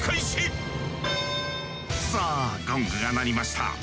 さあゴングが鳴りました！